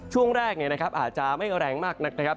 ช่วงแรกอาจจะไม่แรงมากนักนะครับ